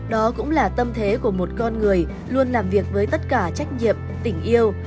đó cũng là tâm thế của một con người luôn làm việc với tất cả trách nhiệm tình yêu